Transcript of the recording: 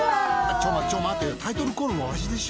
ちょ待てちょ待てよタイトルコールは私でしょ。